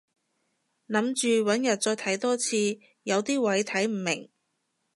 諗住搵日再睇多次，有啲位睇唔明